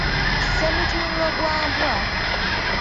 Ssemutunulo gwa mbwa, …